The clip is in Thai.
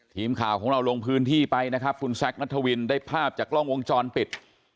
ทีมข่าวของเราลงพื้นที่ไปนะครับคุณแซคนัทวินได้ภาพจากกล้องวงจรปิด